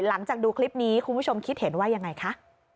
หลังจากดูคลิปนี้คุณผู้ชมคิดเห็นว่ายังไงคะ